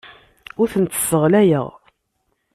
Ur tent-sseɣyaleɣ.